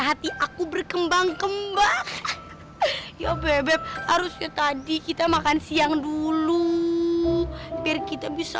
hati aku berkembang kembang ya bebek harusnya tadi kita makan siang dulu biar kita bisa